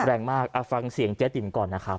แรงมากฟังเสียงเจ๊ติ๋มก่อนนะครับ